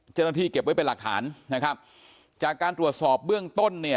เก็บไว้เป็นหลักฐานนะครับจากการตรวจสอบเบื้องต้นเนี่ย